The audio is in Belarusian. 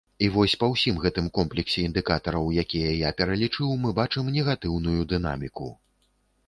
І вось па ўсім гэтым комплексе індыкатараў, якія я пералічыў, мы бачым негатыўную дынаміку.